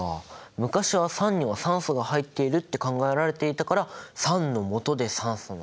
昔は酸には酸素が入っているって考えられていたから「酸」の「素」で酸素なんだね。